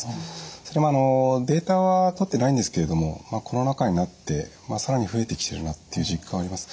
それもデータはとってないんですけれどもコロナ禍になって更に増えてきてるなっていう実感はあります。